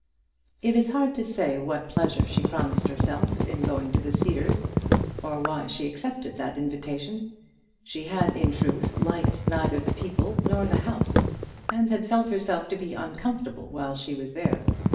It is hard to say what pleasure she promised herself in going to the Cedars, or why she accepted that invitation. She had, in truth, liked neither the people nor the house, and had felt herself to be uncomfortable while she was there.